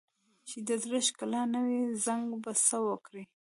چې د زړه ښکلا نه وي، زنګ به څه وکړي؟